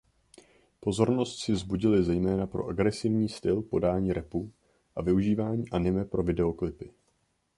Pozornost si vzbudily zejména pro agresivní styl podání rapu a využívání anime pro videoklipy.